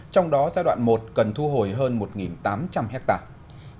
trong đó giai đoạn một cần thu hồi hơn một tám trăm linh hectare